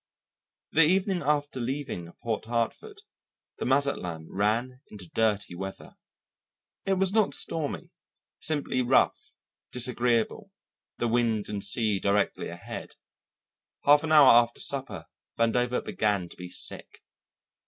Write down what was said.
The evening after leaving Port Hartford the Mazatlan ran into dirty weather. It was not stormy simply rough, disagreeable, the wind and sea directly ahead. Half an hour after supper Vandover began to be sick.